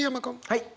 はい。